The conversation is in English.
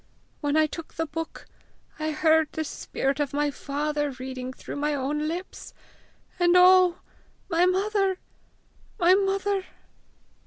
When I took the book, I heard the spirit of my father reading through my own lips! And oh, my mother! my mother!"